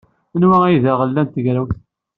Anwa ay d aɣella n tegrawt?